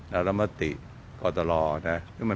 นรมติกตลอดนะ